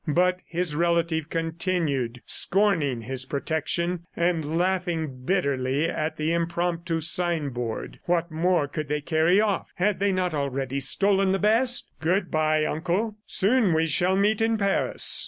But his relative continued scorning his protection, and laughing bitterly at the impromptu signboard. What more could they carry off? ... Had they not already stolen the best? "Good bye, uncle! Soon we shall meet in Paris."